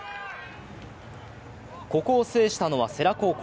ここを制したのは世羅高校。